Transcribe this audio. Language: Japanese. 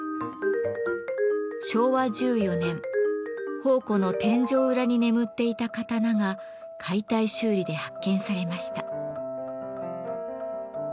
昭和１４年宝庫の天井裏に眠っていた刀が解体修理で発見されました。